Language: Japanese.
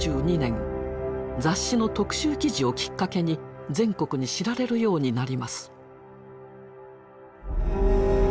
雑誌の特集記事をきっかけに全国に知られるようになります。